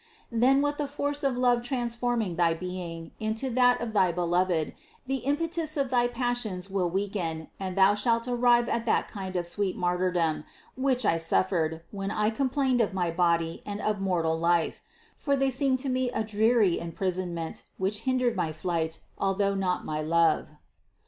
Then with the force of love transforming thy being into that of thy Beloved, the impetus of thy passions will weaken and thou shalt arrive at that kind of sweet martyrdom, which I suffered, when I complained of my body and of mortal life ; for they seemed to me a dreary imprisonment which hindered my flight, although not my love.